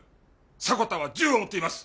迫田は銃を持っています！